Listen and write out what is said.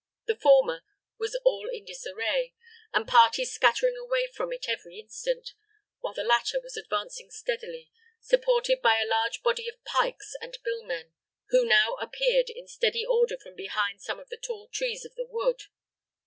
The former was all in disarray, and parties scattering away from it every instant, while the latter was advancing steadily, supported by a large body of pikes and bill men, who now appeared in steady order from behind some of the tall trees of the wood.